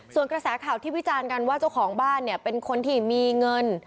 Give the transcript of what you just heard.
ส่วนกระแสข่าวที่วิจารณ์กันว่าเจ้าของบ้านเนี่ยเป็นคนที่มีเงิน